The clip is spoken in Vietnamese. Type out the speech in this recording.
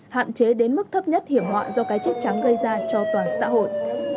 hạn chế đến mức thấp nhất hiểm họa do cái chết trắng gây ra cho toàn xã hội